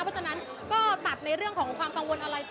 เพราะฉะนั้นก็ตัดในเรื่องของความกังวลอะไร